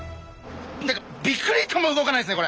なんかビクリとも動かないですね